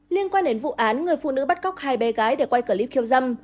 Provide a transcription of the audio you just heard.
liên quan đến vụ án người phụ nữ bắt cóc hai bé gái để quay clip khiêu dâm